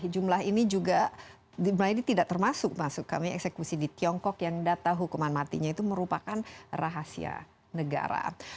jumlah ini juga tidak termasuk eksekusi di tiongkok yang data hukuman matinya itu merupakan rahasia negara